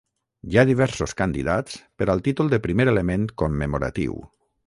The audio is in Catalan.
Hi ha diversos candidats per al títol de primer element commemoratiu.